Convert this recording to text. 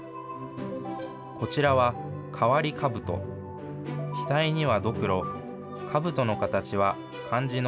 こちらは変わりかぶと、額にはどくろ、かぶとの形は、漢字の